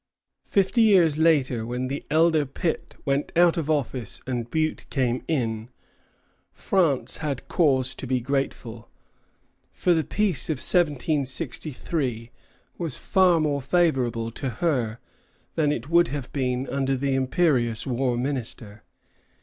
Fifty years later, when the elder Pitt went out of office and Bute came in, France had cause to be grateful; for the peace of 1763 was far more favorable to her than it would have been under the imperious war minister.